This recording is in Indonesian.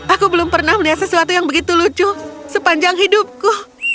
aku belum pernah melihat sesuatu yang begitu lucu sepanjang hidupku